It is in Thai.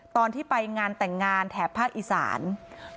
ตอนที่ไปงานแต่งงานแถบภาคอิสรรก็เลยคบกัน